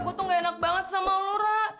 gue tuh gak enak banget sama lu ra